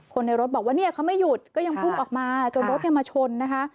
ในรถบอกว่าเนี่ยเขาไม่หยุดก็ยังพุ่งออกมาจนรถมาชนนะคะ